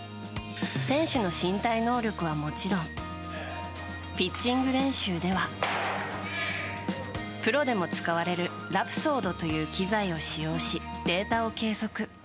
選手の身体能力はもちろんピッチング練習ではプロでも使われるラプソードといわれる機材を使用し、データを計測。